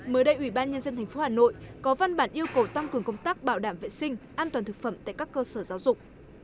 mới đây ủy ban nhân dân tp hà nội có văn bản yêu cầu tăng cường công tác bảo đảm vệ sinh an toàn thực phẩm tại các cơ sở giáo dục